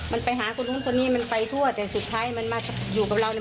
มันไปหาคนนู้นคนนี้มันไปทั่วแต่สุดท้ายมันมาอยู่กับเราเนี่ย